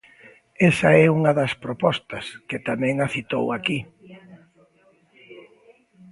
Esa é unha das propostas, que tamén a citou aquí.